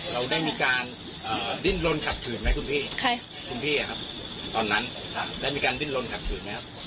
เราได้มีการดิ้นลนขัดขืนไหมคุณพี่คุณพี่ครับตอนนั้นได้มีการดิ้นลนขัดขืนไหมครับ